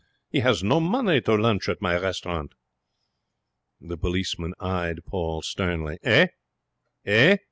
'He has no money to lunch at my restaurant.' The policeman eyed Paul sternly. 'Eh?' he said.